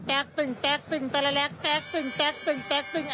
ตั้งแต่ละแรกแต๊กตึ้ง